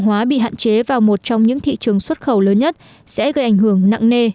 hóa bị hạn chế vào một trong những thị trường xuất khẩu lớn nhất sẽ gây ảnh hưởng nặng nề